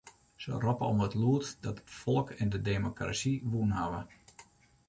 Se roppe om it lûdst dat it folk en de demokrasy wûn hawwe.